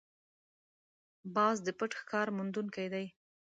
باز د پټ ښکار موندونکی دی